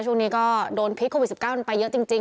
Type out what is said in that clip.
ช่วงนี้ก็โดนพิษโควิด๑๙กันไปเยอะจริง